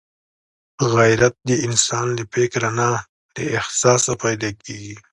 غیرت د انسان له فکره نه، له احساسه پیدا کېږي